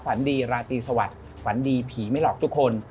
ฝันดีราตรีสวัสดิ์ฝันดีผีไม่หลอกทุกคน